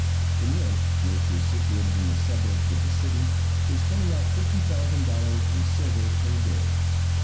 The mint, which is situated in the suburbs of the city, is turning out fifty thousand dollars in silver per day.